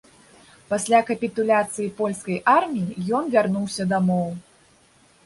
Пасля капітуляцыі польскай арміі ён вярнуўся дамоў.